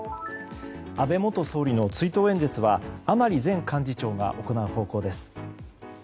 安倍元総理の追悼演説は甘利前幹事長が行う方向です。